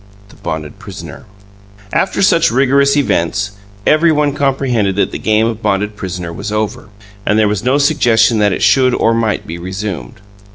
THE BONDED PRISONER After such rigorous events, every one comprehended that the game of bonded prisoner was over, and there was no suggestion that it should or might be resumed.